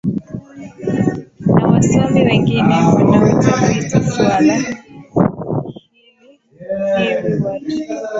na wasomi wengine wanaotafiti suala hili watu